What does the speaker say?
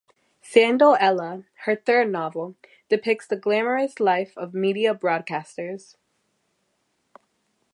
"Sandler Ella", her third novel, depicts the glamorous life of media broadcasters.